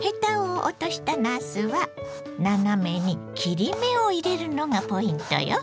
ヘタを落としたなすは斜めに切り目を入れるのがポイントよ。